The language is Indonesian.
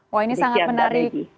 wah ini sangat menarik